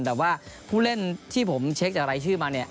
แต่ว่าผู้เล่นที่ผมเช็คจากรายชื่อมาเนี่ย